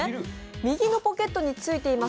右のポケットについています